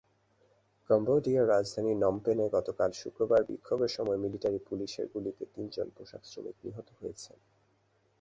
কম্বোডিয়ার রাজধানী নমপেনে গতকাল শুক্রবার বিক্ষোভের সময় মিলিটারি-পুলিশের গুলিতে তিনজন পোশাকশ্রমিক নিহত হয়েছেন।